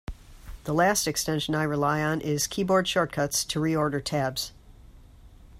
The last extension I rely on is Keyboard Shortcuts to Reorder Tabs.